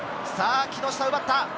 木下、奪った。